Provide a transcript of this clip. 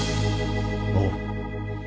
おう